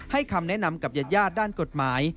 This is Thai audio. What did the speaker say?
คำแนะนำกับญาติญาติด้านกฎหมาย